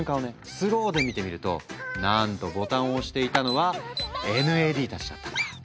スローで見てみるとなんとボタンを押していたのはＮＡＤたちだったんだ。